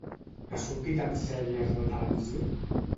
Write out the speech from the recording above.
Ha sortit en sèries de televisió?